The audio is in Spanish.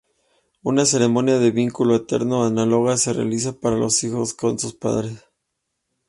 Una ceremonia de vínculo eterno análoga se realiza para los hijos con sus padres.